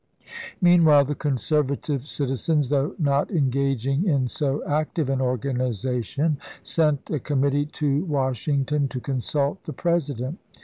Meanwhile the conservative citizens, though not engaging in so active an organization, sent a com mittee to Washington to consult the President.